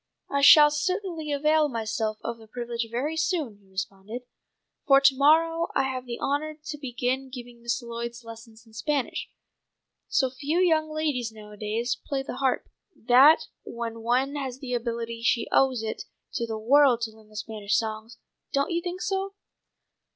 "I shall certainly avail myself of the privilege very soon," he responded, "for to morrow I have the honour to begin giving Miss Lloyd lessons in Spanish. So few young ladies nowadays play the harp, that when one has the ability she owes it to the world to learn the Spanish songs. Don't you think so?"